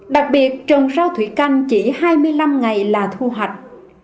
đặc biệt trồng rau thủy canh chỉ hai mươi năm ngày là thu hoạch